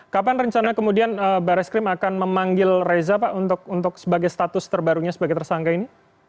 kapan rencana kemudian baris krim akan memanggil reza pak untuk sebagai status terbarunya sebagai tersangka ini